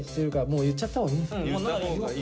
今言っちゃった方がいいよね。